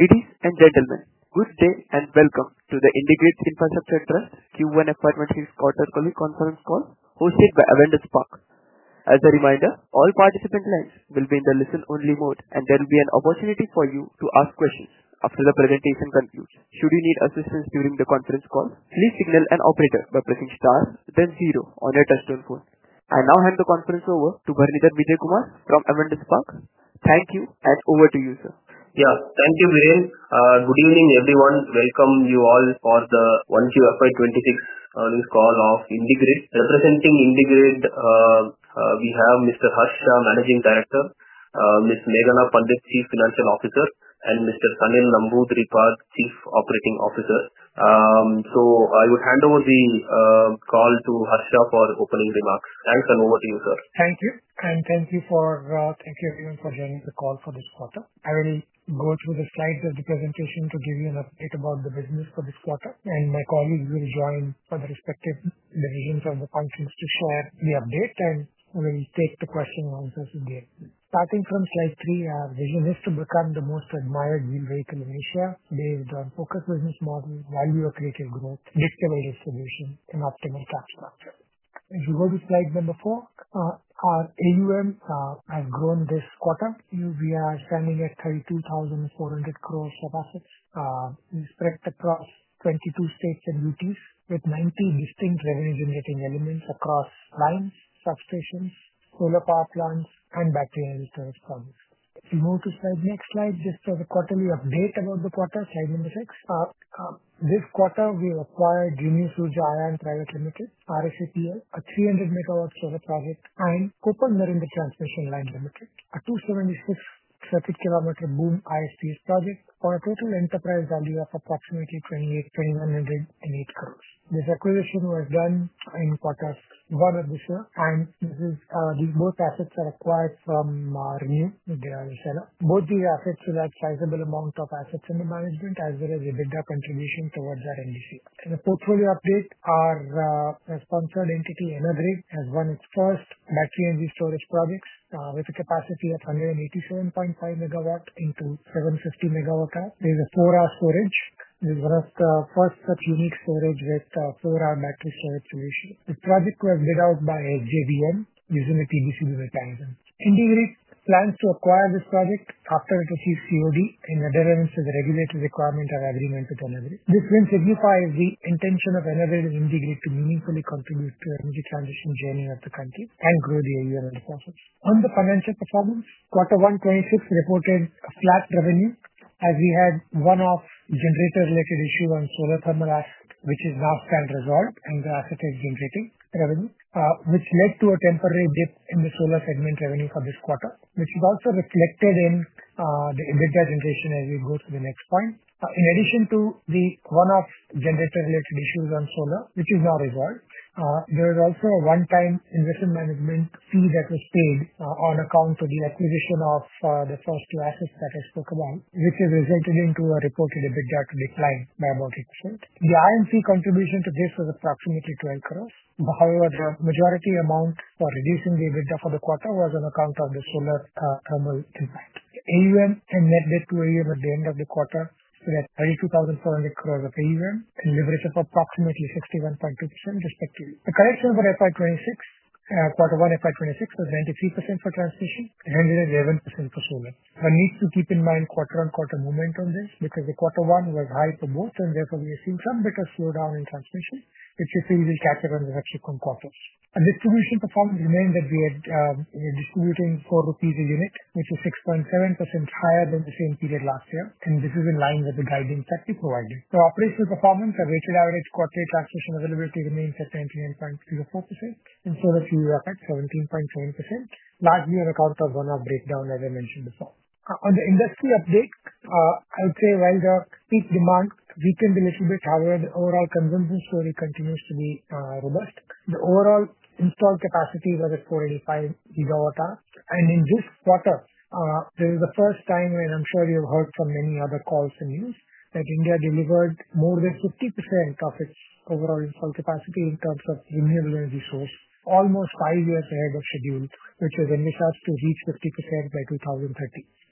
Ladies and gentlemen, good day and welcome to the IndiGrid Infrastructure Trust Q1 FY26 Earnings Conference Call hosted by Avendus Spark. As a reminder, all participant lines will be in the listen-only mode and there will be an opportunity for you to ask questions after the presentation concludes. Should you need assistance during the conference call, please signal an operator by pressing star then zero on your touch tone phone. I now hand the conference over to Bharanidhar Vijayakumar from Avendus Spark. Thank you and over to you, sir. Thank you. Good evening everyone. Welcome you all for the 1QFY26 earnings call of IndiGrid. Representing IndiGrid, we have Mr. Harsh Shah, Managing Director, Ms. Meghana Pandit, Chief Financial Officer, and Mr. Sanil Namboodiripad, Chief Operating Officer. I would hand over the call to Harsh for opening remarks. Thanks and over to you first. Thank you everyone for joining the call for this quarter. I will go through the slides of the presentation to give you an update about the business for this quarter and my colleagues will join for the respective regions and the functions to show up the update and we'll take the question answers in the end. Starting from slide three, our most admired Greenwich and V share based on focus business model, widely operated, growth enabled solution and optimal customer. We go to slide number four. Our AUM has grown this quarter. We are selling as 32,400 crores of assets. It spreads across 22 states and duties with 19 distinct revenue-generating elements across mines, substations, solar power plants and battery resource farms. Move to next slide. Just as a quarterly update about the quarter siling effects, this quarter we acquired Genius Ruja Ion Trios Images RSCL, a 300 MW power package, and Copenhagen Transmission Line, benefit a 276 km BOOT IC established for a total enterprise value of approximately 28 crores in April. This acquisition was done in quarters of this year and both assets are acquired from Macquarie Group. Both the assets select sizable amount of assets under management as well as EBITDA contribution towards RMDC. The portfolio updates are sponsored. Entity Energrade has won its first batch utility-scale battery energy storage project with a capacity of 187.5 MW inputs, 750 MW. There's a four hour storage. This is one of the first such unique storage with 4 hour battery storage solution. The project was developed by JSW Energy using a TBCB advertiser. IndiGrid plans to acquire this project after it achieves COD in adherence to the regulatory requirement of agreement to promise this. This signifies the intention of Energrade NCDs meaningfully contributes to energy transition journey of the countries and grow the area. On the financial performance, quarter 126 reported flat revenue as we had one off generator related issue on solar thermal assets which is vast and resolved and the asset is generating revenue which led to a temporary dip in the solar segment revenue for this quarter. It was also reflected in the presentation as you go to the next point. In addition to the one off issues on solar which is not as well, there is also a one time investment management fee that is paid on account of the acquisition of the Source 2 assets that has spoken which has resulted into a reported EBITDA decline by about 8%. The IMC contribution to this was approximately 12. However, the majority amount for reducing the EBITDA for the quarter was on account of this AUM and net debt to AUM. At the end of the quarter, we had 32,400 crores a year, approximately 51.2% respectively. The correction for FY2026 for the one FY2026 was 93% for transmission and 111% for FOA. One needs to keep in mind quarter-on-quarter movement on this because the quarter one was high for both, and therefore we assume some better showdown in some cases. It's severely captured on the receivable copper, and the provision performance remained that we had recruiting for rupees in IT, which is 6.7% higher than the same period last year, and this is in line with the guidance that we provided. Operational performance of ratio average quarter taxation availability remains at 99.34%, and so that we are at 17.7% largely on account of one-off breakdown. As I mentioned before on the industry update, I would say while the peak demand weakened a little bit higher, the overall consumption story continues to be robust. The overall installed capacity was at 485. These are overta, and in this startup, this is the first time, and I'm sure you've heard from many other calls in use, that India delivered more than 50% of its overall installed capacity in terms of renewable energy source almost five years ahead of schedule, which is when we start to reach 50% by 2030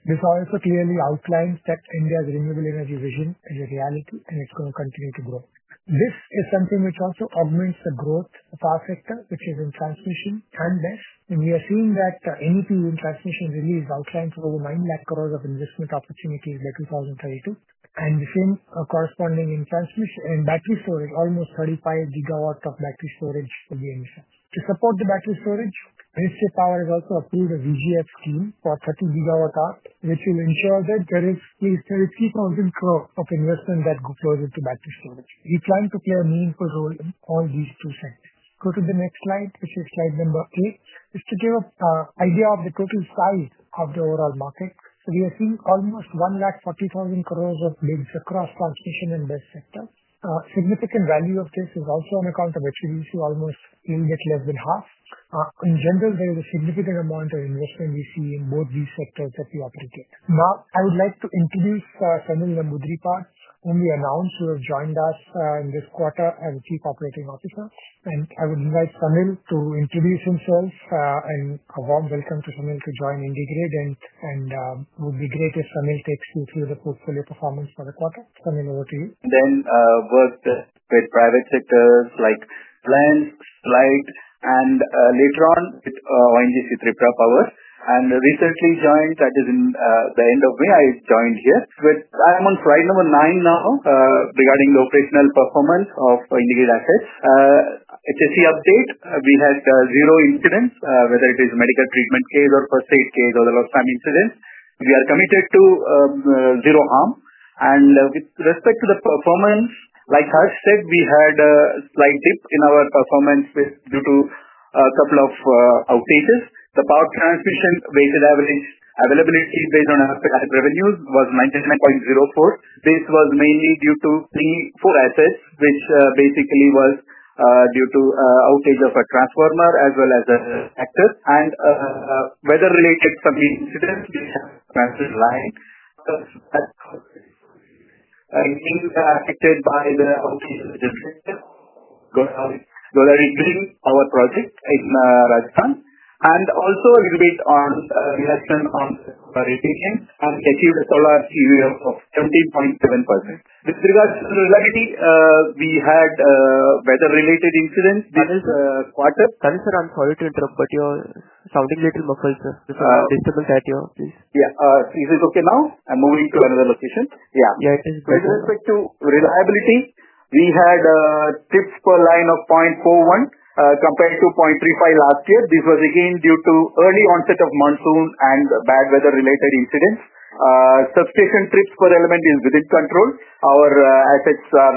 before clearly outlines that India's renewable energy vision is a reality and it's going to continue to grow. This is something which also augments the growth of our sector, which is in south facing time desk, and we are seeing that MoP infrastructure release outstanding for over 9 lakh crores of investment opportunities, letting fall in prices and the same corresponding in transmission in battery storage or 35 GW of battery storage in the industry to support the battery storage rescue. Power has also appealed a VGF scheme for 30 GWh. They feel insured Guru he received 3,000 crores of investment that goes into BESS. He's trying to play a meaningful role in all these positions. Go to the next slide, which is slide number eight. Just to give idea of the total size of the overall market, we are seeing almost 1 lakh 40,000 crores of bids across constitution and best sector. Significant value of this is also on account of FPPCA almost yielded less than half. In general, there is a significant amount of investment you see in MODRI for per two applicants. Now I would like to introduce our family and Namboodiripad, whom we announced who have joined us in this quarter as Chief Operating Officer, and I would invite Sanil to introduce himself and a warm welcome to Sanil to join IndiGrid. It would be great if Sanil takes you through the portfolio performance for the quarter. Sanil, over t.o you. Then worked with private sectors like Plans rights and later on with NTPC Tripura Power and recently joined that is in the end of May I joined here with. I am on slide number nine now regarding the operational performance of IndiGrid Infrastructure Trust assets HSE update. We had zero incidents, whether it is medical treatment case or first aid case or the lost time incidents. We are committed to zero harm and with respect to the performance like Harsh said we had a slight dip in our performance due to a couple of outages. The power transmission base levels availability based on hospitality revenues was maintenance 0.04. This was mainly due to 34 assets which basically was due to outage of a transformer as well as factors and weather related to the transmission line and affected by the outage of the transformer. We are currently on a project in Rajasthan and also agreement on investment and achieved a 17.7% with regards to reality we had weather related incidents. Sanil, I'm sorry to interrupt but you're sounding little muffled. You could adjusted settings. Please. Yeah, this is okay now I'm moving to another location. yeah. yeah. With respect to reliability, we had trips per line of 0.41 compared to 0.35 last year. This was again due to early onset of monsoon and bad weather related incidents. Substation trips per element is within control. Our assets are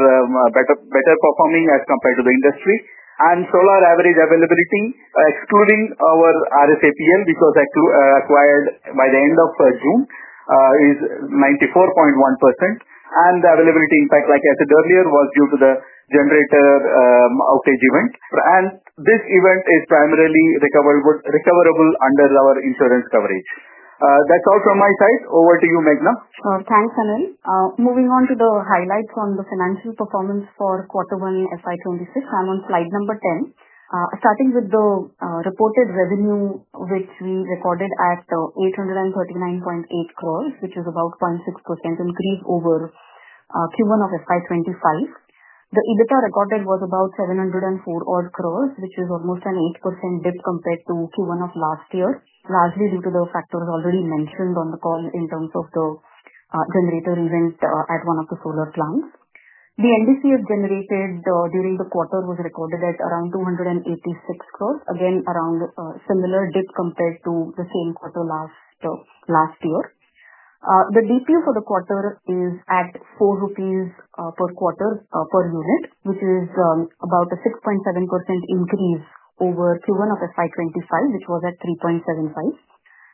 better performing as compared to the industry and solar average availability excluding our RSAPL because acquired by the end of June is 94.1%, and the availability impact, like I said earlier, was due to the generator outage event, and this event is primarily recoverable under our insurance coverage. That's all from my side. Over to you Meghana. Thanks, Sanil. Moving on to the highlights on the financial performance for quarter one FY26, I'm on slide number 10. Starting with the reported revenue, which we recorded at 839.8 crore, which is about a 0.6% increase over Q1 of FY25. The EBITDA recorded was about 704 crore, which is almost an overall dip compared to Q1 of last year, largely due to the factors already mentioned on the call. In terms of the generator events at one of the solar plants, the it generated during the quarter was recorded at around 286 crores, again around a similar dip compared to the same quarter last year. The DPU for the quarter is at 4 rupees per unit, which is about a 6.7% increase over Q1 of FY25, which was at 3.75.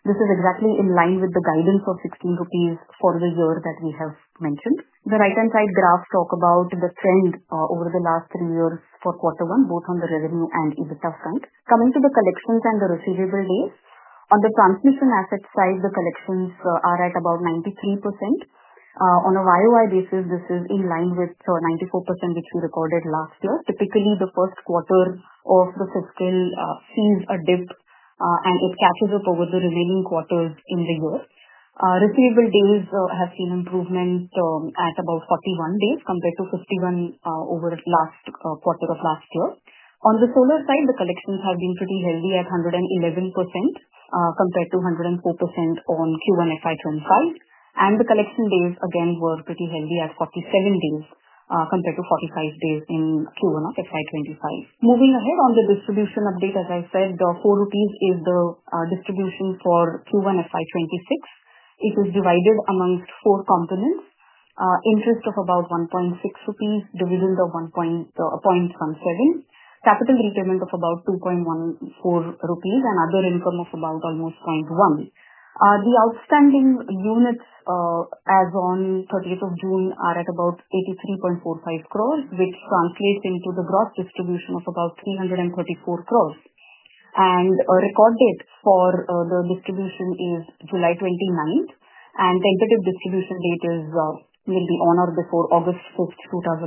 This is exactly in line with the guidance of 16 rupees for the year that we have mentioned. The right-hand side graph talks about the trend over the last three years for quarter one, both on the revenue and EBITDA front. Coming to the collections and the receivable days, on the transmission asset side, the collections are at about 93% on a year-on-year basis. This is in line with 94% which we recorded last year. Typically, the first quarter of the fiscal sees a dip, and it catches up over the remaining quarters in the year. Receivable days have seen improvement at about 41 days compared to 51 over last year. On the solar side, the collections have been pretty healthy at 111% compared to 104% on Q1. The collection days again were pretty handy at 47 days compared to 45 days in FY25. Moving ahead on the distribution update, as I said, 4 rupees is the distribution for Q1 of FY26. It is divided amongst four components: interest of about 1.6 rupees, dividend of 1.17, capital repayment of about 2.14 rupees, and other income of about almost 0.1. The outstanding units as on 30th of June are at about 83.45 crore, which translates into the gross distribution of about 334 crores, and the record date for the distribution is July 29th, and tentative distribution date will be on or before 4th August 2025.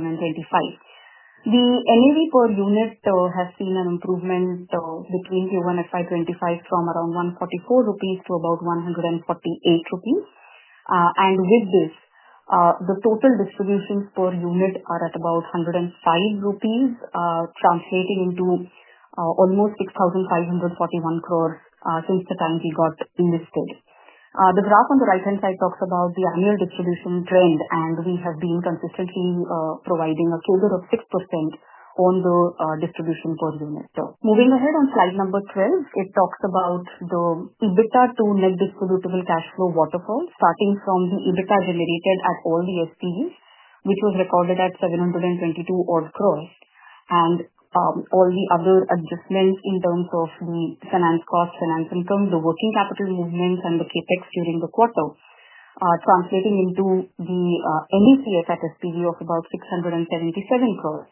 The NAV per unit has seen an improvement between Q1 FY25 from around 144 rupees to about 148 rupees, and with this, the total distributions per unit are at about 105 rupees, translating into almost 6,541 crores since the company got delisted. The graph on the right-hand side talks about the annual distribution trend, and we have been consistently providing a figure of 6% on the distribution per unit. Moving ahead on slide number 12, it talks about the EBITDA to net distributable cash flow waterfall, starting from the EBITDA generated at all the SPVs, which was recorded at 722 crores. All crossed and all the other adjustments in terms of finance costs, finance income, the working capital movements, and the CapEx during the quarter translating into the NDCFs at SPV of about 677 crore.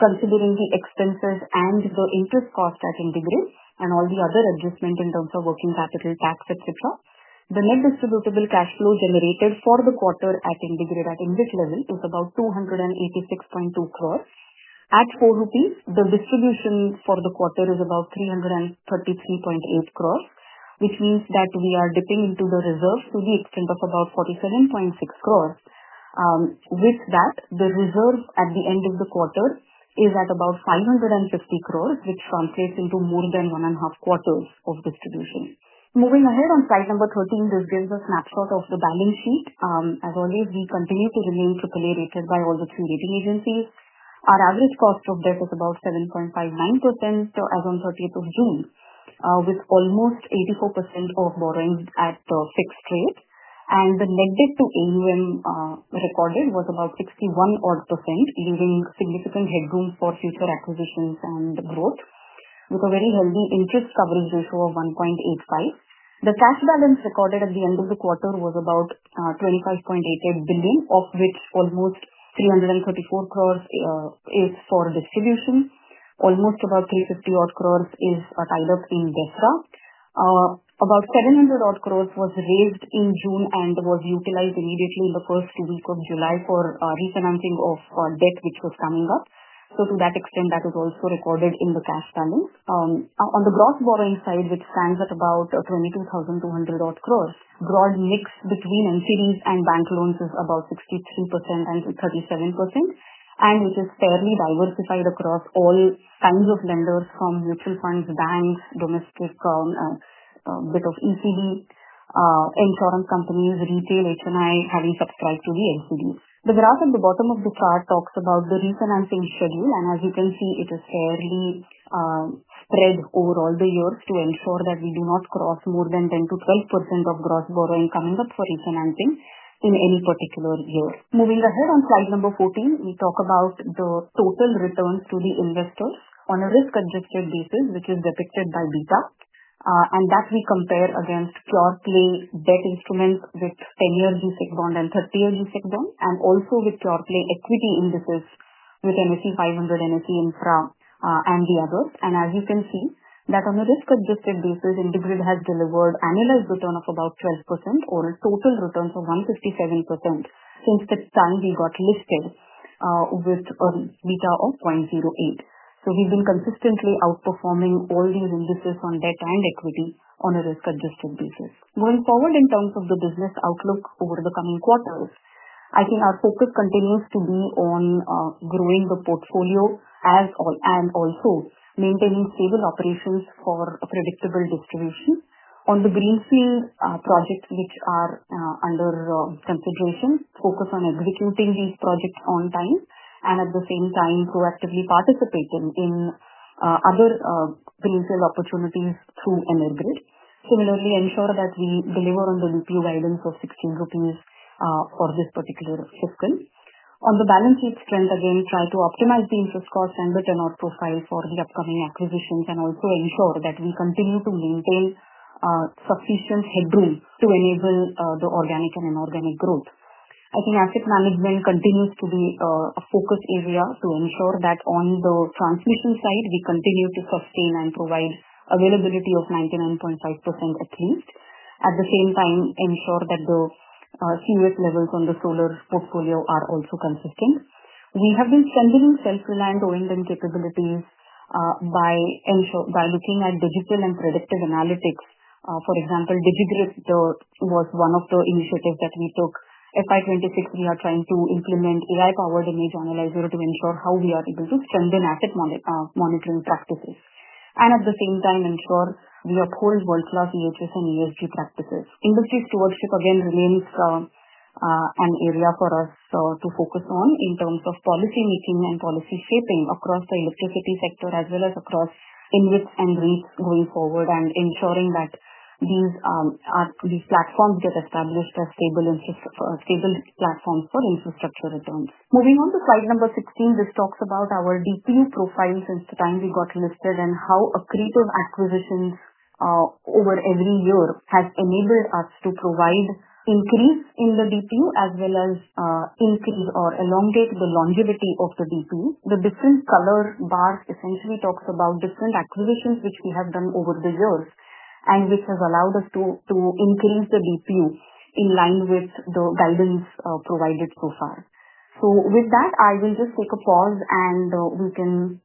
Considering the expenses and the interest cost at IndiGrid and all the other adjustments in terms of working capital, tax, et cetera, the net distributable cash flow generated for the quarter at IndiGrid at InvIT level is about 286.2 crores. At 4 rupees, the distribution for the quarter is about 333.8 crores, which means that we are dipping into the reserves to the extent of about 47.6 crores. With that, the reserve at the end of the quarter is at about 550 crores, which translates into more than one and a half quarters of distribution. Moving ahead on slide number 13, this gives us a snapshot of the balance sheet. As always, we continue to retain AAA ratings by all the three rating agencies. Our average cost of debt is about 7.51% as on 30th of June, with almost 84% of borrowings at the fixed rate, and the net debt to AUM recorded was about 61% odd, leaving significant headroom for future acquisitions and growth with a very healthy interest coverage ratio of 1.85. The cash balance recorded at the end of the quarter was about 25.88 billion, of which almost 334 crores is for distribution. Almost about 350 crores is tied up in this raft. About 700 crores was raised in June and was utilized immediately in the first week of July for refinancing of debt which was coming up. To that extent, that was also recorded in the cash balance. On the gross borrowing side, which stands at about 18,200 crores, the broad mix between NCDs and bank loans is about 63% and 37%, and which is fairly diversified across all kinds of lenders from mutual funds, banks, domestic, a bit of ECB, insurance companies, retail having subscribed to the NCD. The graph at the bottom of the chart talks about the refinancing schedule, and as you can see, it is fairly spread over all the years to ensure that we do not cross more than 10% to 12% of gross borrowing committed for refinancing in any particular year. Moving ahead on slide number 14, we talk about the total returns to the investors on a risk-adjusted basis, which is depicted by beta, and that we compare against floor play debt instruments with 10-year basic bond and 30-year basic bond, and also with short play equity indices with NSE 500, NSE Infra, and the others. As you can see, on a risk-adjusted basis, IndiGrid has delivered annualized return of about 12% or a total return of 157% since this time we got listed, with a beta of 0.08. We've been consistently outperforming all these indices on debt and equity on a risk-adjusted basis going forward. In terms of the business outlook over the coming quarters, I think our focus continues to be on growing the portfolio and also maintaining stable operations for predictable distribution on the greenfield projects, which are under consideration, focus on executing these projects on time, and at the same time proactively participating in other financial opportunities through on orbit. Similarly, ensure that we deliver on the guidance of 16 rupees for this particular system on the balance sheet strength. Again, we try to optimize the interest costs on the tenor profile for the upcoming acquisitions and also ensure that we continue to maintain sufficient headroom to enable the organic and improve organic growth. I think asset management continues to be a focus area to ensure that on the transmission side, we continue to sustain and provide availability of 99.5% at least, at the same time ensure that the CUS levels on the solar portfolio are also consistent. We have been strengthening self-reliant own capabilities by looking at digital and predictive analytics, for example, was one of the initiatives that we took FY 2026, are trying to implement AI-powered image analyzer to ensure how we are able to strengthen asset monitoring practices and at the same time ensure we uphold world-class HSE and ESG practices. Industry stewardship again remains an area for us to focus on in terms of policy making, on policy shaping across the electricity sector as well as across InvITs and grids going forward, and ensuring that these platforms get established as stable and stable platforms for infrastructure returns. Moving on to slide number 16, this talks about our DPU profile since the time we got listed and how upgrade of acquisitions over every year has enabled us to provide increase in the DPU as well as increase or elongate the longevity of the DPU. The different color bars essentially talks about different acquisitions which we have done over the year and which has allowed us to increase the DPU in line with the guidance provided so far. I will just take a pause and we can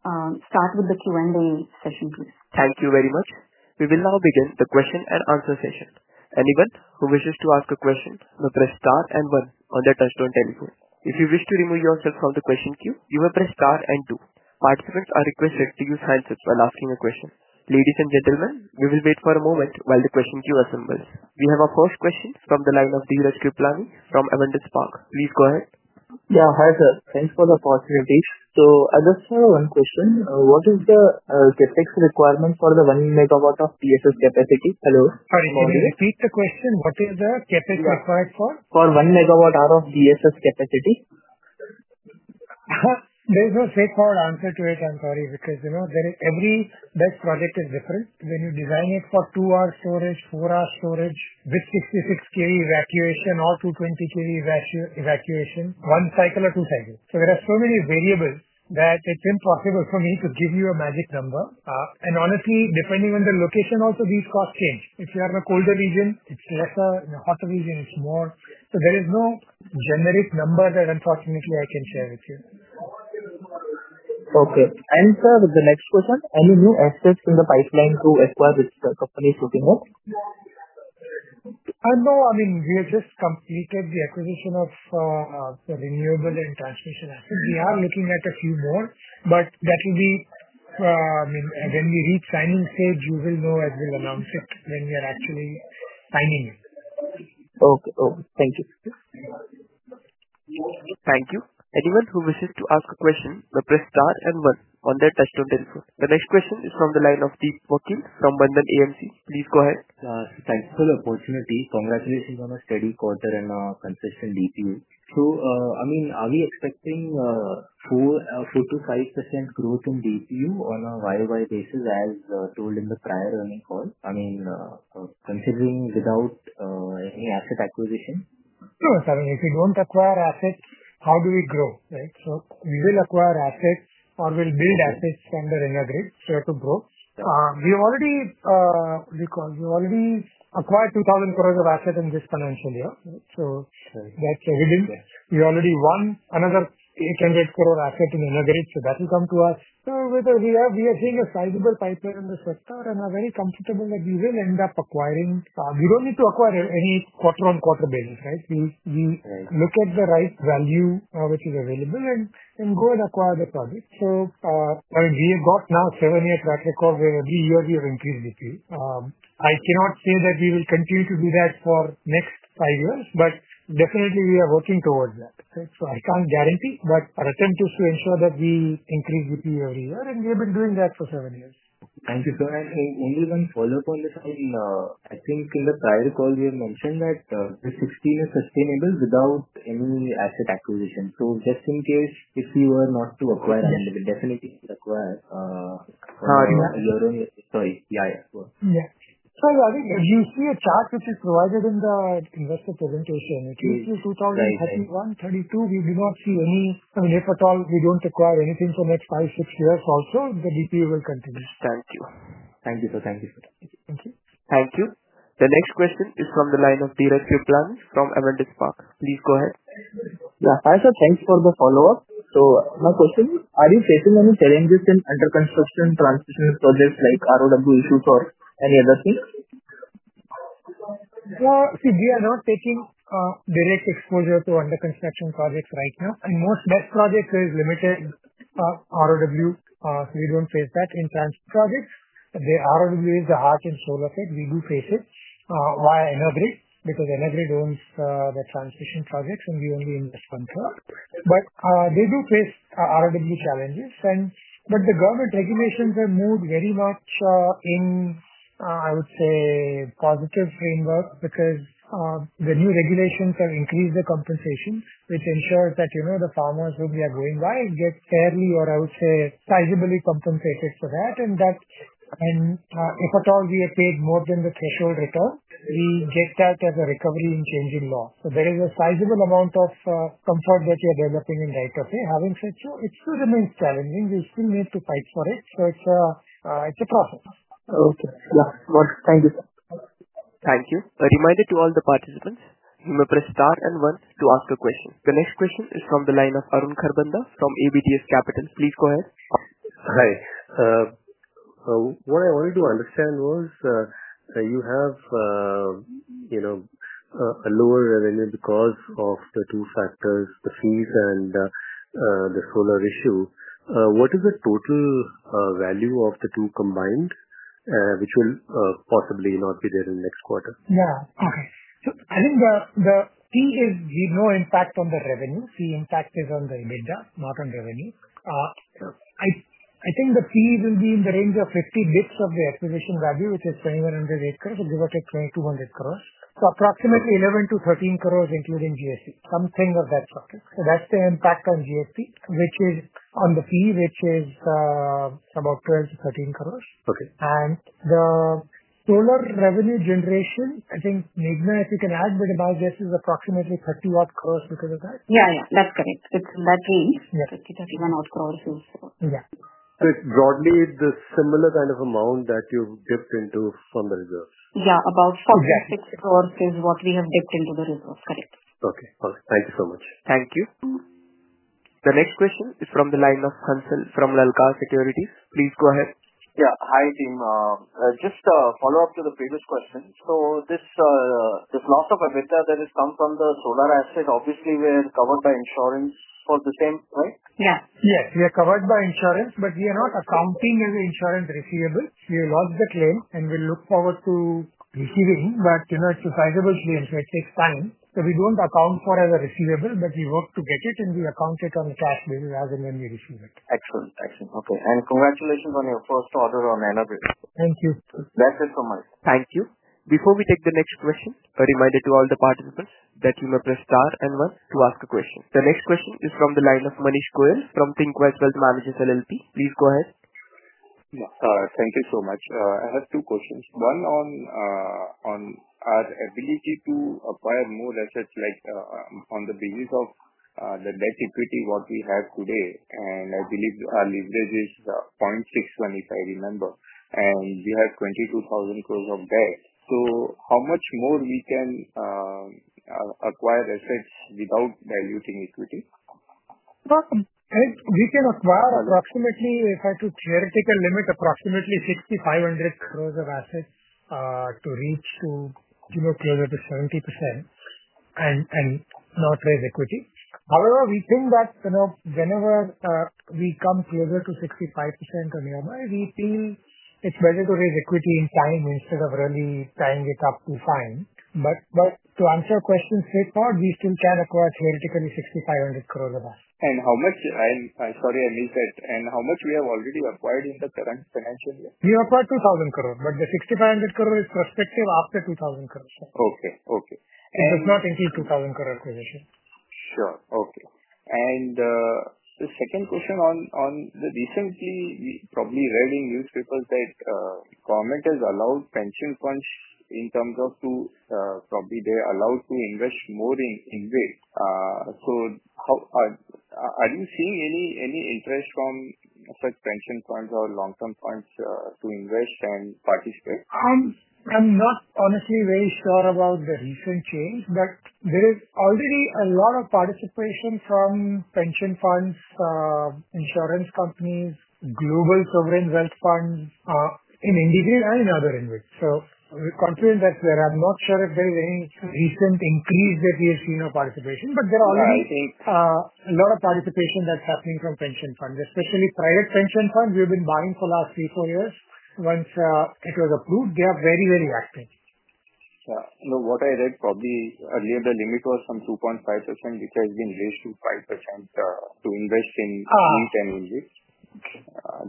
start with the Q and A session please. Thank you very much. We will now begin the question and answer session. Anyone who wishes to ask a question will press star and one on the touch-tone telephone. If you wish to remove yourself from the question queue, you may press star and two. Participants are requested to use handsets when asking a question. Ladies and gentlemen, we will wait for a moment while the question queue assembles. We have our first questions from the line of Dheeraj Kripalani from Avendus Spark. Please go ahead. Yeah, hi sir. Thanks for the opportunity. I just have one question. What is the CapEx requirement for the. 1 MW of BESS capacity? Hello repeat the question. What is the CapEx required for? 1 MWh of battery energy storage systems capacity? There's a safeguard answer to it. I'm sorry. Because you know there is. Every deck project is different when you design it for two hours storage, four hour storage with 66 kV evacuation or 220 kV evacuation, one cycle or two cycle. There are so many variables that it's impossible for me to give you a magic number. Honestly, depending on the location, these costs change. If you are in a colder region it's lesser, in the hotter region it's more. There is no generic number that unfortunately I can share with you. Okay, answer with the next question. Any new assets in the pipeline that the company is looking at? No. I mean we just completed the acquisition of renewable and transmission assets. We are looking at a few more, but definitely when we reach signing stage you will know as we'll announce it when we are actually signing it. Okay. Thankyou. Thank you. Anyone who wishes to ask a question may press star and one on the touchpad. The next question is from the line of Deep Vakil from Bandhan AMC. Please go ahead. Thanks for the opportunity. Congratulations on a steady quarter and a consistent DPU. Are we expecting 4 to 5% growth in DPU on a year-on-year basis, as told in the prior earnings call? I mean, considering without any asset acquisition. No. If you don't acquire assets, how do we grow, right? We will acquire assets or we'll build assets under IndiGrid straight to grow. We already recall you already acquired 2,000 crores of assets in this financial year. That's everything. You already won another 800 crores asset in another direct. That will come to us. We are seeing a sizable pipeline in the sector and are very comfortable that we will end up acquiring. We don't need to acquire any quarter-on-quarter business, right? We look at the right value which is available and go and acquire the product. We have got now 7 years' track record where every year we have increased degree. I cannot say that we will continue to do that for the next five years, but definitely we are working towards that. I can't guarantee, but our attempt is to ensure that we increase every year. We have been doing that for seven years. Thank you, sir. Only one follow-up on this. I think in the diary call you have mentioned that 15 is attainable without any asset acquisition. Just in case if you were not to acquire, then we definitely acquire. Sorry. Yeah, yeah. You see a chart which is provided in the context for presentation 32. We do not see any. I mean if at all. We don't require anything for next five, six years also. The DPU will continue. Thank you. Thank you, sir. Thank you. Okay, thank you. The next question is from the line of direct runs from Dheeraj Kripalani Avendus Spark. Please go ahead. Yeah, hi sir. Thanks for the follow up. Are you facing any challenges in under construction transmission storage like ROW input or any other thing? See, we are not taking direct exposure to under construction projects right now. Most projects is limited ROW. We don't face that in transmission projects. The ROW is the heart and soul of it. We do face it via Energrade because energy zones, the transmission projects and we only invest one. They do face right of way challenges. The government regulations have moved very much in, I would say, a positive framework because the new regulations can increase the compensation, which ensures that the farmers whom we are going by get fairly, or I would say, sizably compensated to what and that. If at all we are paid more than the threshold return, we just act as a recovery and change in law. There is a sizable amount of comfort that you're developing in right of way. Having said so, it still remains challenging. You still need to fight. Okay, yeah, thank you. Thank you. A reminder to all the participants, you may press star and one to ask a question. The next question is from the line of Arun Kharbanda from ABDS Capital. Please go ahead. Hi. What I wanted to understand was you have a lower revenue because of the two factors, the fees and the solar issue. What is the total value of the two combined which will possibly not be there in next quarter? Yeah, I think the fee is zero impact on both revenue. The impact is on the EBITDA, not on revenue. I think the fee will be in the range of 50 bps of the acquisition value, which is 2,100 crores, give or take 2,200 crores. So approximately 11 to 13 crore including GST, something of that. That's the impact on GST, which is on the fee, which is about 12 to 13 crores. Okay. The solar revenue generation, I think if you can add, but my guess is approximately 30 crores because of that. Yeah, that's correct. That means 30, 31 odd crore resource. Yeah. Broadly the similar kind of amount that you get into from the reserve. About 46 crore is what we have dipped into the resource. Correct. Okay, thank you so much. Thank you. The next question is from the line of Hansal from Lalkar Securities. Please go ahead. Yeah. Hi team. Just follow up to the previous question. This loss of EBITDA that has come from the solar asset, obviously we're covered by insurance for the same, right? Yeah. Yes, we are covered by insurance, but we are not accounting as insurance receivables. We lost the claim, and we look forward to receiving. You know it's sizable. It takes time. We don't account for as a receivable, but we work to get it, and we account it on fast basis as an energy receiver. Excellent action. Okay. Congratulations on your first order on another. Thank you. Thank you so much. Thank you. Before we take the next question, a reminder to all the participants that you may press star and one to ask a question. The next question is from the line of Manish Goyal from Thinqwise Wealth Managers LLP. Please go ahead. Thank you so much. I have two questions. One on our ability to acquire more assets like on the basis of the debt equity what we have today and I believe our leverage is 0.61 if I remember and we have 22,000 crores of debt. How much more we can acquire assets without diluting equity. We can acquire approximately. If I could theoretically limit approximately 6,500 crores of assets to reach to zero period of 70% and not raise equity. However, we think that whenever we come closer to 65% on your mind we feel it's better to raise equity in time instead of really trying a cup to find. To answer question straightforward we still have acquired 6,500 crores above and how. Sorry, I mean that and how much we have already acquired in the current financial year. You acquired 2,000 crores but the 6,500 crores is prospective after 2,000 crores. Okay okay. It does not increase 2,000 crores acquisition. Okay. The second question on the recently probably reading news, people said government has allowed pension funds in terms of to probably they allowed to invest more in this. How are you seeing any interest from such pension funds or long term funds to invest and participate? I'm not honestly very sure about the recent change, but there is already a lot of participation from pension funds, insurance companies, global sovereign wealth funds in IndiGrid and in other industries. We're confident that there. I'm not sure if there is any recent increase that we have seen of participation, but there is already a lot of participation that's suffering from pension funds. Technically, private pension funds have been buying for the last 34 years once it was approved. They are very, very active. What I read probably earlier, the limit was from 2.5% which has been raised to 5% to invest in.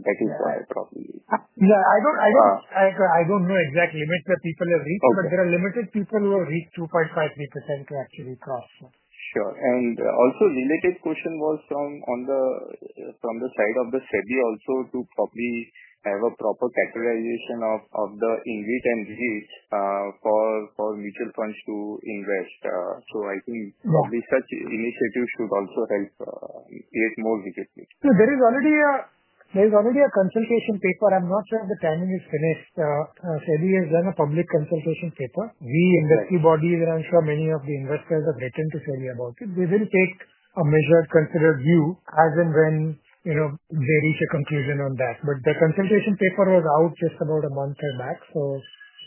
That is why probably. I don't know exact limits that people have reached, but there are limited people who have reached 2.53 to actually cross. The latest question was from the side of the SEBI also to probably have a proper categorization of the ingredients for mutual funds to invest. I think these such initiatives should also help create more. There is already a. There is already a consultation paper. I'm not sure if the timing is finished. SEBI has done a public consultation paper. We industry bodies and I'm sure many of the investors have written to SEBI about it. They will take a measured, considered view as and when you know there is a confusion on that. The consultation paper was out just about a month or max, so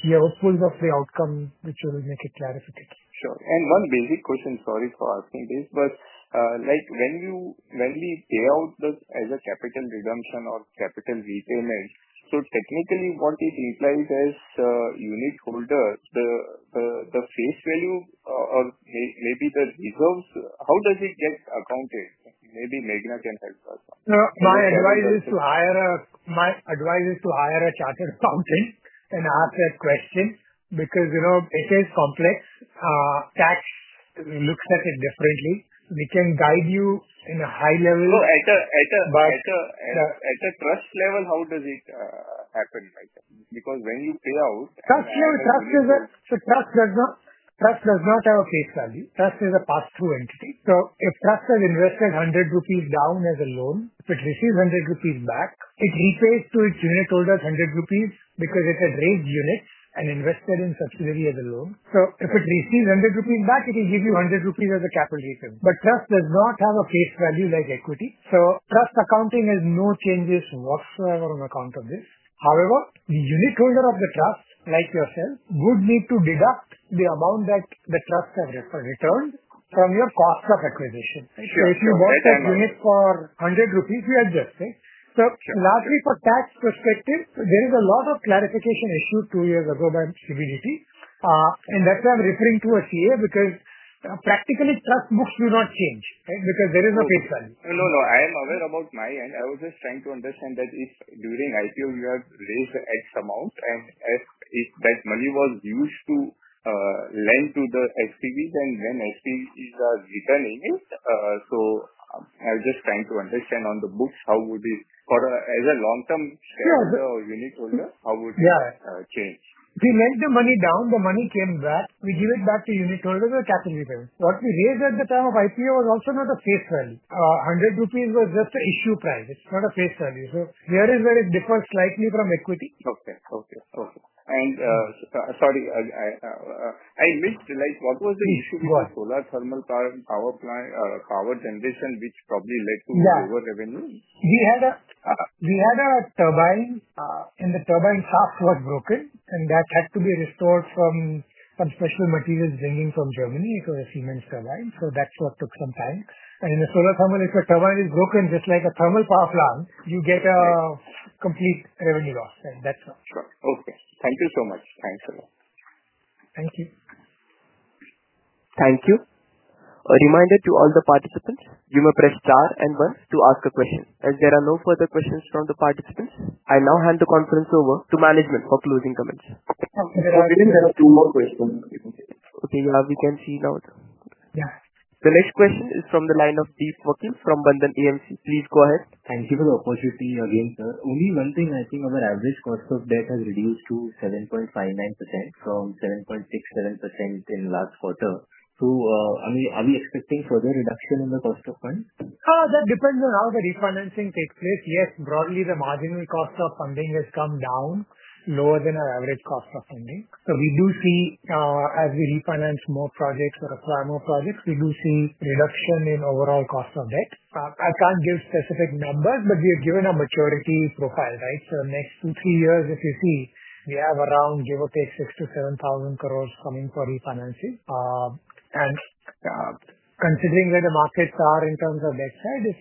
you're full of the outcome which will make it clarificate. Sure. One basic question, sorry for asking this, but when we say out as a capital redemption or capital repayment, technically what it implies as unit holder, the face value or maybe the reserves, how does it just account it? Maybe Meghana can help us. My advice is to hire a chartered accountant and ask that question because you know it is complex. Tax looks at it differently. We can guide you in a high level. At the trust level, how does it happen? Because when you pay out trust, you. Trust is a pass through entity. Trust does not have a face value. If the trust has invested 100 rupees down as a loan, if it receives 100 rupees back, it repays to its unit holders 100 rupees because it has raised units and investors in subsidiary as a loan. If it receives 100 rupees back, it will give you 100 rupees as a capital return. Trust does not have a face value like equity. Trust accounting has no changes whatsoever on account of this. However, the unit holder of the trust, like yourself, would need to deduct the amount that the trust of referral returned from your cost of acquisition. If you bought a unit for 100 rupees, you adjust it. Largely for tax perspective, there is a lot of clarification issued two years ago by CBDT and that's why I'm referring to a CA because practically trust books do not change because there is a pipeline. I am aware about my end. I was just trying to understand that if during IPO we had raised X amount and if that money was used to lend to the SPV, then SPV is a written agent. I was just trying to understand on the books how would it as a long term shareholder or unit holder, how would change? We lend the money down, the money came back, we give it back to unit holders and categories. What we raised at the time of IPO was also not a face value. 100 rupees was just an issue price, it's not a face value. Here is where it differs slightly from equity. Okay. Sorry, I misrealized. What was the issue? Solar thermal power plant, power generation, which probably led to lower revenue. We had a turbine and the turbine shaft was broken and that had to be restored from some special materials coming from Germany. It was a Siemens turbine. That's what took some time. In a solar panel, if a turbine is broken just like a thermal power plant, you get a complete revenue loss and that's okay. Thank you so much. Thanks a lot. Thank you. Thank you. A reminder to all the participants, you may press star and one to ask a question. As there are no further questions from the participants, I now hand the conference over to management for closing comments. We have two more questions. Okay, we can see now. Yeah. The next question is from the line of Deep Vakil from Bandhan AMC. Please go ahead. Thank you for the opportunity again, sir. Only one thing. I think our average cost of debt has reduced to 7.59% from 7.67% in last quarter. I mean are we expecting further reduction in the cost of fund? That depends on how the refinancing takes place. Yes. Broadly, the marginal cost of funding has come down lower than our average cost of funding. We do see as we refinance more projects to acquire more projects, we do see reduction in overall cost of debt. I can't give specific numbers, but we have given a maturity profile. Right. Next 2-3 years, if you see, we have around, give or take, 6,000 to 7,000 crores coming for refinances. Considering where the markets are in terms of debt side, if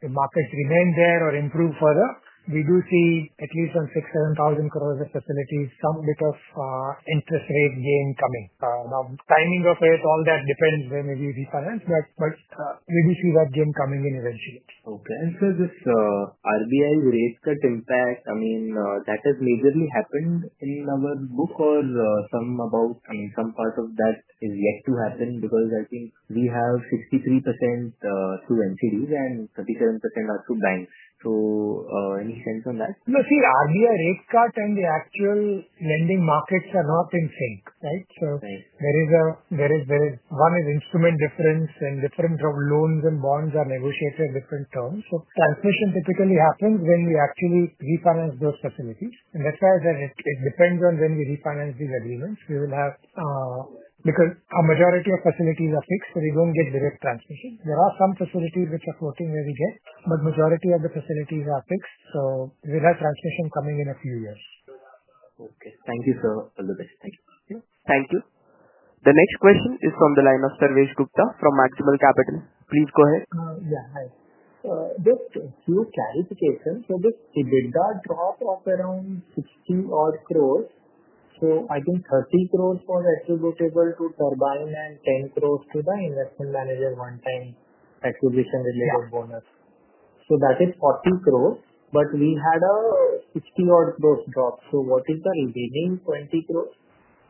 the markets remain there or improve further, we do see at least on 67,000 crores of facilities some bit of interest rate gain coming. Timing of it all depends where maybe refinance. Big issue of GM coming in eventually. Okay. This RBI rate cut impact, I mean, has that majorly happened in our book or some part of that is yet to happen? I think we have 63% through NCDs and 37% are through banks. Any sense on that? No. See RBI rate chart. The actual lending markets are not in sync. Right. There is one instrument difference, and difference of loans and bonds are negotiated different terms. Translation typically happens when we actually refinance those facilities. It depends on when we refinance these. Agreements we will have. Because a majority of facilities are fixed, we don't get direct transmission. There are some facilities which are floating very good, but majority of the facilities are fixed. We have transmission coming in a few years. Okay. Thank you, sir. All the best. Thank you. Thank you. The next question is from the line of Sarvesh Gupta from Maximal Capital. Please go ahead. Yeah. Hi. Just a few clarifications. This EBITDA drop of around 60 crore, I think 30 crore for attributable. to Turbine and 10 crore to the investment manager one time. That could be some really good bonus. That is 40 crore. We had a 50 crore drop. What is the retaining? 20 crore.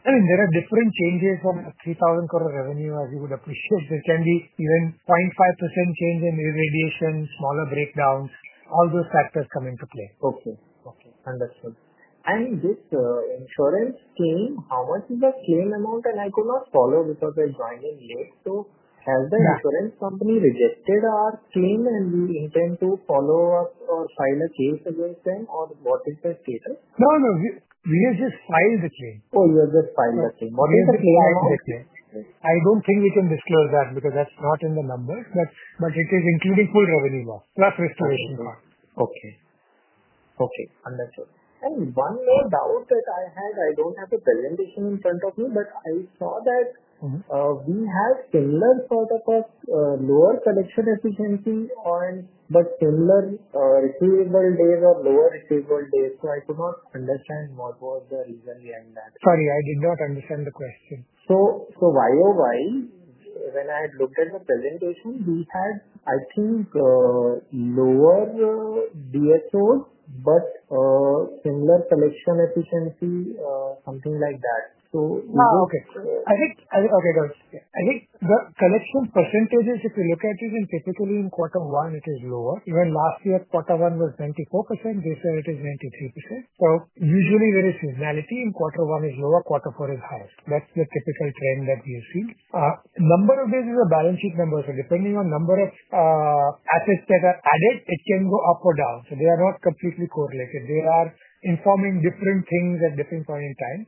There are different changes from 3,000 crore revenue as you would appreciate. There can be even 0.5% change in irradiation, smaller breakdowns. All those factors come into play. Understood. This insurance claim, how much is the claim amount? I could not follow this of a join in l. Has the insurance company rejected our claim and do we intend to follow up or file a case against them or what is the status? No, no, we just filed the claim. Oh, you just filed the claim. I don't think we can disclose that because that's not in the numbers, but it is including query of any law. Okay. One main doubt that I had, I don't have a presentation in front of me, but I saw that we. Have similar. Selection efficiency on the similar receivable days or lower mark, understand what. Was the reason behind that. Sorry I did not understand the question. Year-over-year when I had looked at. The presentation has, I think, lower DSOs but similar collection efficiency, something like that. Okay. I guess the percentages, if you look at even typically in quarter one, it is lower. Even last year, quarter one was 94%, this year it is 93%. Usually there is seasonality in quarter one; it is lower, quarter four is higher. That's the typical trend that you see. Number of days is a balance sheet number. Depending on number of assets that are added, it can go up or down. They are not completely correlated. They are informing different things at different points in time.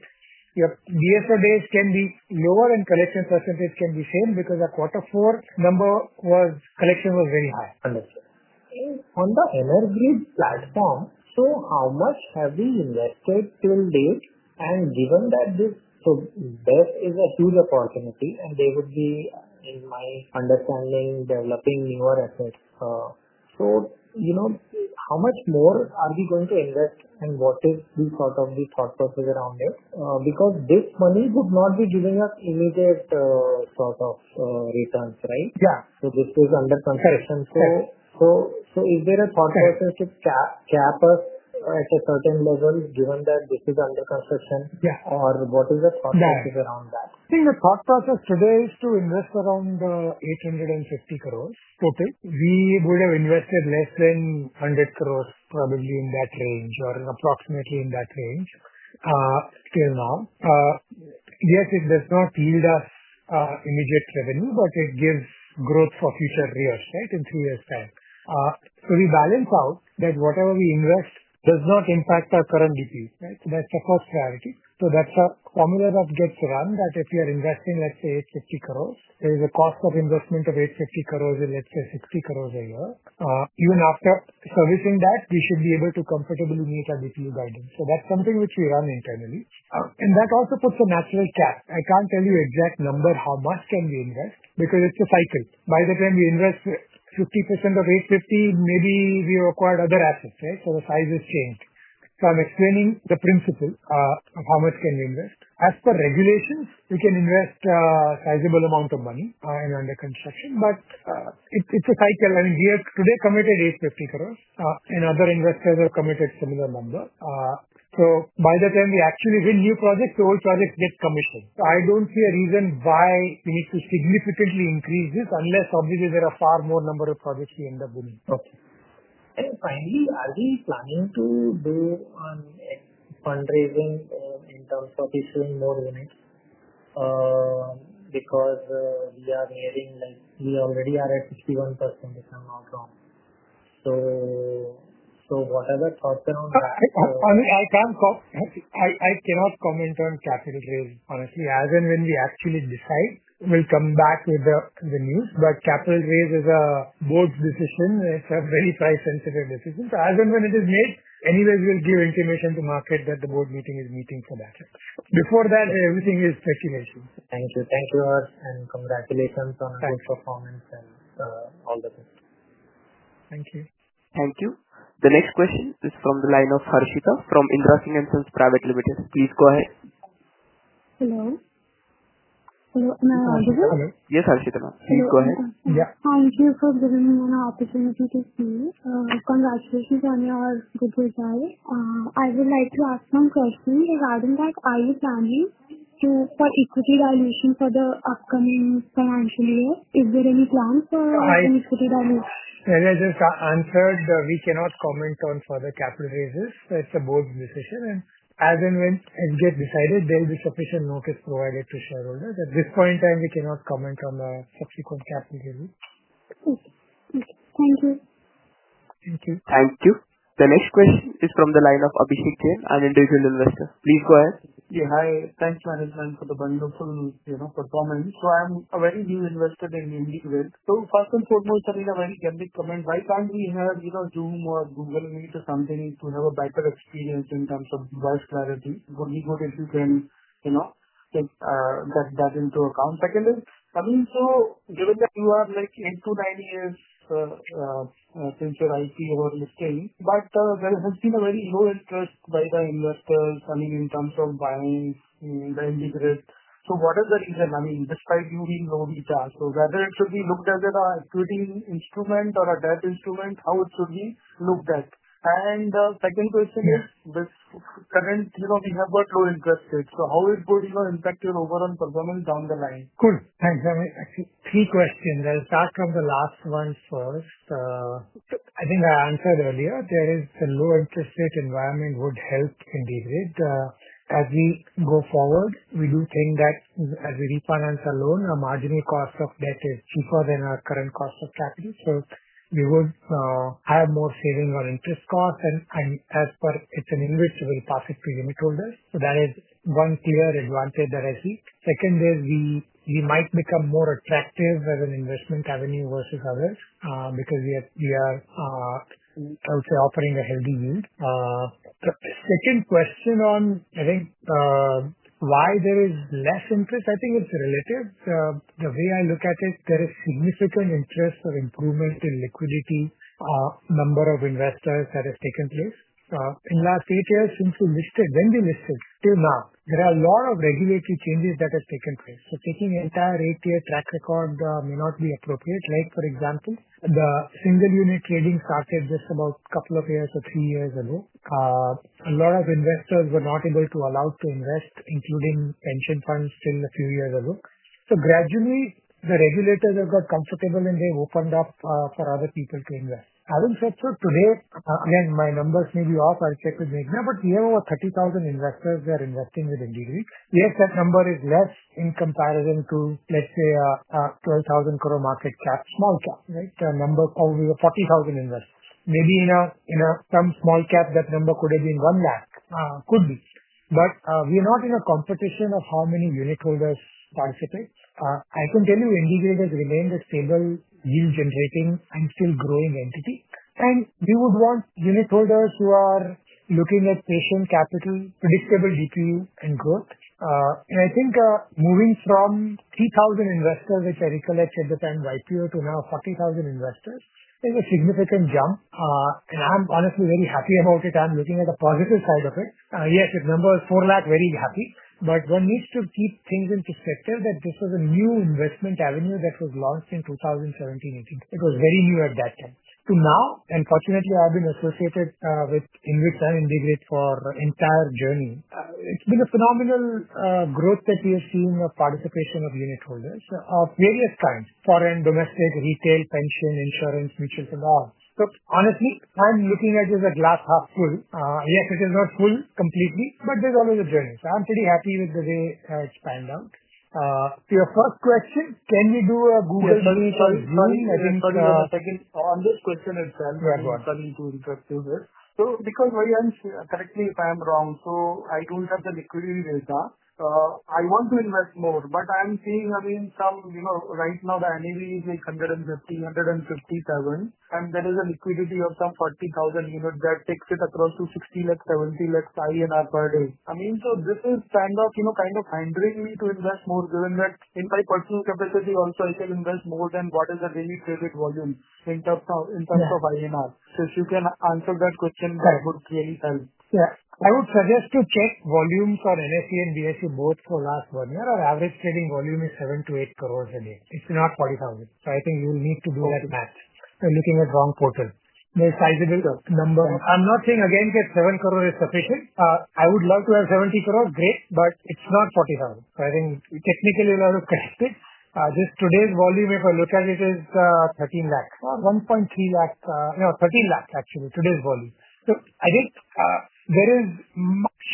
Your DSO days can be lower and collection percentage can be same because a quarter four number was, collection was very high. On the energy platform. How much have we invested till date and given that this. This is a huge opportunity, and they would be, in my understanding, developing newer assets. How much more are we going to invest and what is the sort of the thought process around it? Because this money would not be giving. Us immediate sort of returns, right? Yeah. This is under construction. Is there a thought process at a certain level given that this is under construction? What is the process around that? I think the thought process today is to invest around 850 crores. Okay. We would have invested less than 100 crores, probably in that range or approximately in that range still. Now, DSO does not yield us immediate revenue, but it gives growth for future years. Right. In three years' time, we balance out that whatever we invest does not impact our current DPU. Right. That's a cost clarity. That's the formula of guidance run that if you are investing, let's say, 850 crores, there is a cost of investment of 860 crores. Let's say 60 crores a year. Even after servicing that, we should be able to comfortably meet our DPU guidance. What company which we run internally, and that also puts a natural cash. I can't tell you exact number. How much can we invest? Because it's a cycle. By the time we invest 50% of 850 crores, maybe we acquired other assets. The size has changed. I'm explaining the principle of how much can we invest. As per regulations, we can invest a sizable amount of money in under construction. If it's a cycle, I mean here today committed 8, and other investors are committed similar number. By the time we actually win new projects, old projects get committed. I don't see a reason why we need to significantly increase this unless companies in a far more number of projects we end up. Finally, are we planning to do on fundraising in terms of issuing more units? Because we are heading, like, we already are at 61% if I'm not wrong. Whatever thoughts around that? I cannot comment on capital. Honestly, as and when we actually decide, we'll come back with the news. Capital raise is a board's decision. It's a very price sensitive decision. As and when it is made anyways, we'll give information to market that the board meeting is meeting for better. Before that, everything is documented. Thank you. Thank you. Congratulations on good performance and all the best. Thank you. Thank you. The next question is from the line of Harshita from Indra Singh & Sons Private Limited. Please go ahead. Hello. I'm I audible? Yes, please go ahead. Yeah. Thank you for giving me an opportunity. Congratulations on your good results. I would like to ask some questions regarding that. Are you standing so for equity valuation for the upcoming financial year? Is there any plan for. I just answered. We cannot comment on further capital raises. It's a board decision. As and when things get decided, there will be sufficient markets provided to shareholders at this point in time. We cannot comment on the subsequent capital. Thank you. Thank you. Thank you. The next question is from the line of Abhishek Jain, an individual investor. Please go ahead. Hi. Thanks management for the wonderful, you know, performance. I'm a very new investor in IndiGrid. First and foremost, why can't we have, you know, Zoom or Google something to have a better experience in terms of B strategy. Good if you can, you know, take that into account. Given that you have like into time here, there has been a very low interest by the investors, I mean in terms of buying the engine. Whatever the reason, I mean despite moving no visa, whether it should be looked at or putting instrument or a debt instrument, how it could be looked at. The second question is this again, you know, we have got low interest rates, so how is good even impact your overall performance down the line? Cool, thanks. Three questions. I'll start from the last one. First, I think I answered earlier. There is a low interest rate environment would help indeed as we go forward. We do think that as we refinance a loan, our marginal cost of debt is cheaper than our current cost of capital. We will have more savings on interest cost, and as per it's an InvIT, we'll pass it to unitholders. That is one clear advantage that I see. Second is we might become more attractive as an investment avenue versus others because we are also offering a healthy yield. Second question on I think why there is less interest? I think it's relative. The way I look at it, there is significant interest or improvement in liquidity, number of investors that have taken place in last ATI since we listed, when we listed till now. There are a lot of regulatory changes that have taken place. Taking entire ATS traffic on may not be appropriate. For example, the single unit trading started just about a couple of years or three years ago. A lot of investors were not able to allow to invest, including pension funds, in a few years ago. Gradually, the regulators have got comfortable and they opened up for other people to invest. I wouldn't say so. Today, again, my numbers may be off. I'll take this example. We have over 30,000 investors. They are investing with NCD. Yes, that number is less in comparison to let's say 12,000 crores market. That small number, 40,000 invest, maybe some small cap. That number could have been 1 lakh. Could be. We are not in a competition of how many unitholders participate. I can tell you NAV has remained a stable yield generating and still growing entity. You would want unitholders who are looking at patient capital, predictable DPU and growth. I think moving from 3,000 investors, which I recollect at the time of IPO, to now 40,000 investors is a significant jump and I'm honestly very happy about it. I'm looking at the positive out of it. Yes, it's numbers, 4 lakh. Very happy. One needs to keep things in perspective that this is a new investment avenue that was launched in 2017-2018. It was very new at that time to now. Fortunately, I've been associated with IndiGrid for the entire journey. It's been a phenomenal growth that we are seeing of participation of unitholders of various foreign, domestic, retail, pension, insurance, mutuals and all. Honestly, I'm looking at just a glass half full. Yes, it is not full completely, but there's always a business. I'm pretty happy with the way how it's panned out. Your first question, can we do a. Google. On this question itself? Because, correct me if I am wrong, I don't have the liquidity data. I want to invest more, but I am seeing again some, you know, right now the NAV is like 150,000 and there is a liquidity of some 40,000 units that takes it across to 6,000,000 to 7,000,000 per day. I mean, this is kind of, you know, kind of hindering me to invest more given that in my personal capacity also I can invest more than what is the daily traded volume in terms of INR. If you can answer that question, that would really help. I would suggest to check volume for NSE and BSE both. For last one year, our average trading volume is 7 to 8 crores a day. It's not 40,000. I think you need to do that. Looking at wrong portal, sizable number one. I'm not saying again that 7 crores is sufficient. I would love to have 70 crores great. It's not 40,000. I think technically a lot of characters, this today's volume, if a lot of it is 1,300,000 or 130,000. You know, 1,300,000 actually today's volume. I think there is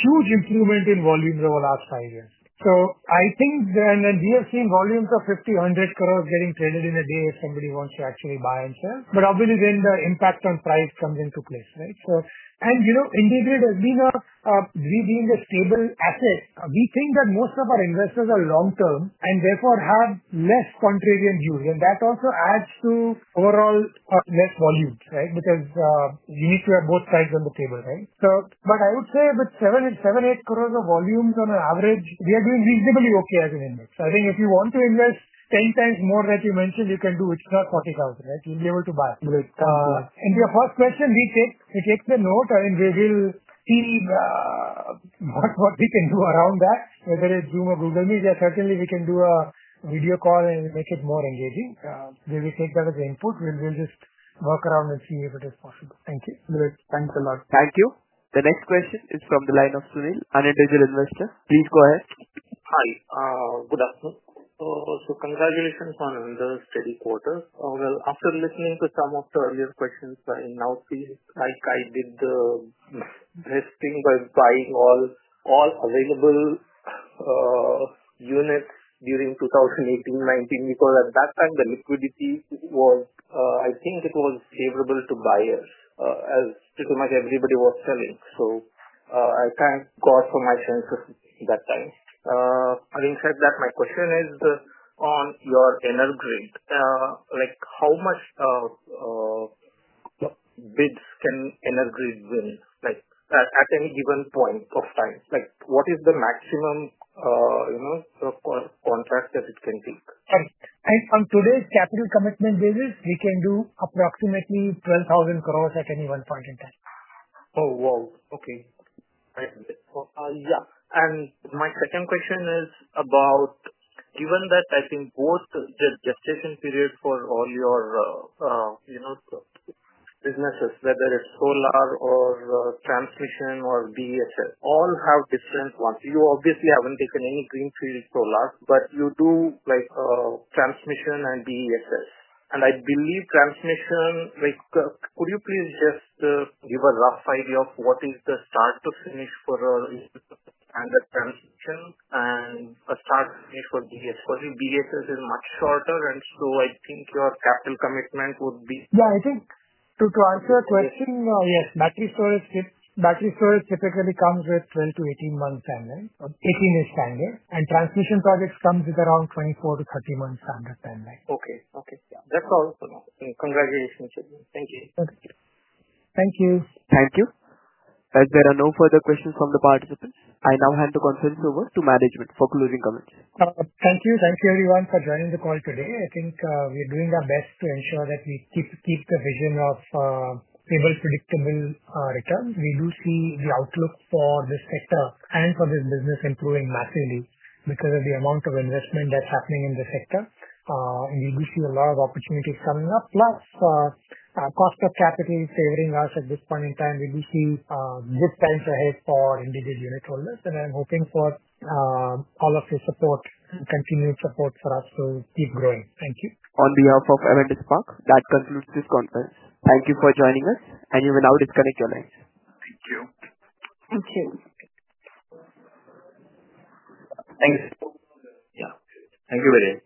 huge improvement in volumes over the last five years. We have seen volumes of 50 crores to 100 crores getting traded in a day if somebody wants to actually buy and sell. Obviously, then the impact on price from then took place. Right. IndiGrid has been a stable asset. We think that most of our investors are long term and therefore have less contrarian views, and that also adds to overall less volumes, right, because you need to have both sides on the table. Right. I would say with 7 to 8 crores of volumes on average, we are doing reasonably okay as an index. I think if you want to invest 10x more that you mentioned, you can do extra 40,000. Right? Be able to buy. Like, into your first question, we check, we check the note and we will see what we can do around that. Whether it's Zoom or Google Meet, certainly we can do a video call and make it more engaging. We take that as input. We'll just walk around and see if it is possible. Thank you. Thanks a lot. Thank you. The next question is from the line of Sunil, an individual investor. Please go ahead. Hi, good afternoon. Congratulations on another steady quarter. After looking into some of the. Earlier questions, I now feel like I did the best thing by buying all. All available. Units during 2018-2019 because at that time the liquidity was, I think it was favorable to buyers as pretty much everybody was selling. I thank you God for my senses that time. Having said that, my question is on. Your IndiGrid, like how much. Bids. Can IndiGrid win? At any given point of time, what is the maximum you know of contract that it can take? On today's capital commitment basis, we can do approximately 12,000 crores at any one point in time. Oh, wow. Okay. Yeah. My second question is about, given that I think both the gestation period for all your businesses, whether it's solar or transmission or BESS, all have different ones, you obviously haven't taken any greenfield solar, but you do like transmission and BESS, and I believe transmission, could you please just give a rough idea of what is the start to finish for transmission and a start for BESS, because your BESS is much shorter and I think your capital commitment would be. I think to answer your question, yes, battery storage. Battery storage typically comes with 12 to 18 month timeline. Taking this standard and transmission projects comes with around 24 to 30 months under timeline. Okay. Okay. Yeah. That's all for now. Congratulations. Thank you. Thank you. Thank you. As there are no further questions from the participants, I now hand the conference over to management for closing comments. Thank you. Thank you everyone for joining the call today. I think we're doing our best to ensure that we keep the vision of able, predictable return. We do see the outlook for this sector and for this business improving massively because of the amount of investment that's. Happening in the sector. We see a lot of opportunities coming up, plus cost of capital favoring us at this point in time. We see good times ahead for individual unit holders, and I'm hoping for all of your support, continued support for us. Thank you. On behalf of Avendus Spark, that concludes this conference. Thank you for joining us and you may now disconnect your lines. Thanks. Yeah, thank you very much.